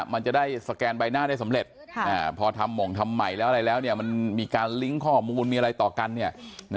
มันจะได้สแกนใบหน้าได้สำเร็จพอทำหม่งทำใหม่แล้วอะไรแล้วเนี่ยมันมีการลิงก์ข้อมูลมีอะไรต่อกันเนี่ย